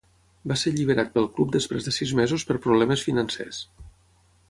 Va ser alliberat pel club després de sis mesos per problemes financers.